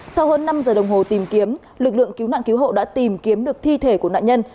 sau hơn năm giờ đồng hồ tìm kiếm lực lượng cứu nạn cứu hộ đã tìm kiếm được thi thể của nạn nhân